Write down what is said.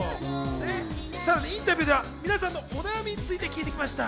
インタビューでは皆さんのお悩みについても聞いてきました。